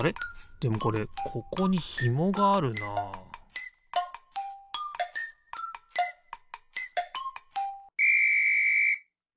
でもこれここにヒモがあるなピッ！